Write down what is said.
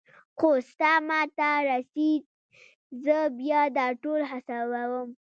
خو ستا ما ته رسي زه بيا دا ټول حسابوم.